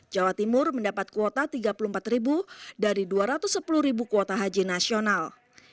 jawa timur mendapat kuota rp tiga puluh empat dari dua ratus sepuluh kuota haji nasional